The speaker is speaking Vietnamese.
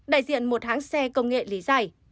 đại diện một hãng xe công nghệ lý giải